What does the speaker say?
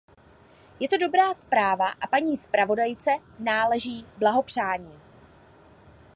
Je to dobrá zpráva a paní zpravodajce náleží blahopřání.